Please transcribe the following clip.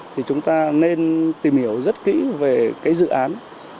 thì chúng ta nên tìm hiểu rất kỹ về cái dự án